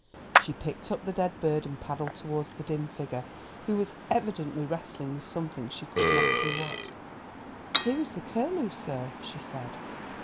She picked up the dead bird and paddled towards the dim figure who was evidently wrestling with something, she could not see what. "Here is the curlew, sir," she said.